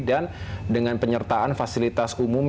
dan dengan penyertaan fasilitas kumuh